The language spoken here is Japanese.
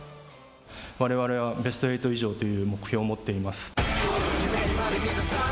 われわれはベストエイト以上という目標を持っています。